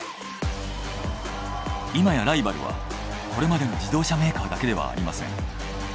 今やライバルはこれまでの自動車メーカーだけではありません。